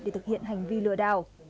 để thực hiện hành vi lừa đảo